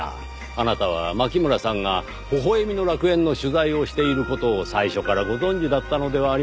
あなたは牧村さんが微笑みの楽園の取材をしている事を最初からご存じだったのではありませんか？